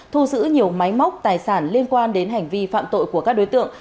thu giữ nhiều máy móc tài sản liên quan đến hành vi phạm tội của các đối tượng